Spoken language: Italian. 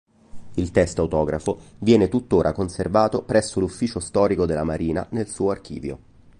Il testo autografo viene tuttora conservato presso l'Ufficio Storico della Marina nel suo archivio.